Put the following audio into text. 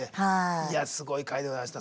いやあすごい回でございました。